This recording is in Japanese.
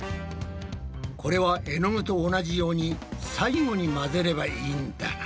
これは絵の具と同じように最後に混ぜればいいんだな。